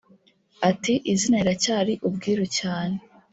Ati “Izina riracyari ubwiru cyane